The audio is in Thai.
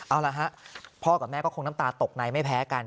เอาละฮะพ่อกับแม่ก็คงน้ำตาตกในไม่แพ้กัน